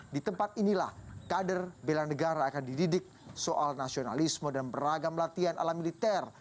di tempat inilah kader bela negara akan dididik soal nasionalisme dan beragam latihan ala militer